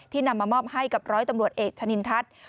นำมามอบให้กับร้อยตำรวจเอกชะนินทัศน์